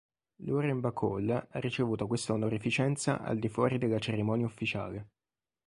Lauren Bacall ha ricevuto questa onorificenza al di fuori della cerimonia ufficiale.